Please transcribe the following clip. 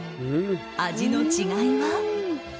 味の違いは？